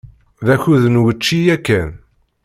D akud n wučči yakan.